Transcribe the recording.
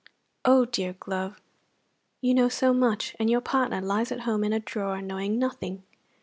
Oh, dear glove, you know so much, and your partner lies at home in a drawer knowing nothing.